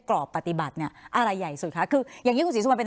กรอบปฏิบัติเนี่ยอะไรใหญ่สุดคะคืออย่างนี้คุณศรีสุวรรณเป็น